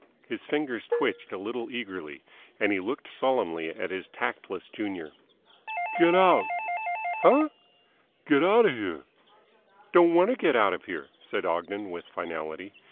His fingers twitched a little eagerly, and he looked sullenly at his tactless junior. "Get out!" "Huh?" "Get outa here!" "Don't want to get out of here," said Ogden with finality.